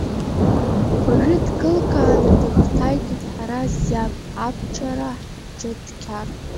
Уажәы дкылкааны дыхҭаикит Ҳараз иаб, абчараҳ Џьаҭқьар!